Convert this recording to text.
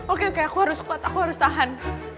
oke oke aku harus kuat aku harus tahan